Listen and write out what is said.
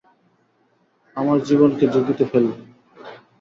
আমার জীবনকে ঝুঁকিতে ফেলবো!